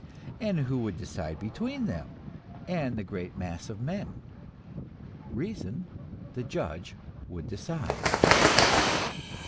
And who would decide between them and the great mass of men? Reason, the judge, would decide.